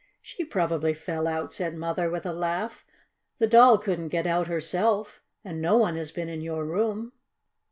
"She probably fell out," said Mother, with a laugh. "The Doll couldn't get out herself, and no one has been in your room."